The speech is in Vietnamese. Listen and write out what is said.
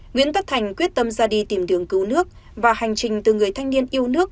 nguyễn tất thành quyết tâm ra đi tìm đường cứu nước và hành trình từ người thanh niên yêu nước